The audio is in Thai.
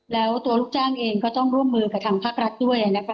แล้วตัวลูกจ้างเองก็ต้องร่วมมือกับทางภาครัฐด้วยนะคะ